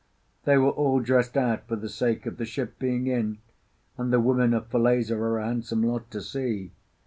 They were all dressed out for the sake of the ship being in; and the women of Falesá are a handsome lot to see.